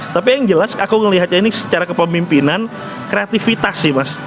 tapi yang jelas aku melihatnya ini secara kepemimpinan kreativitas sih mas